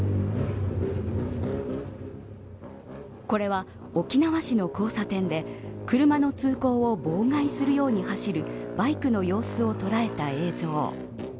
これは沖縄市の交差点で車の通行を妨害するように走るバイクの様子を捉えた映像。